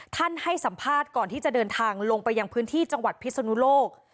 ให้สัมภาษณ์ก่อนที่จะเดินทางลงไปยังพื้นที่จังหวัดพิศนุโลก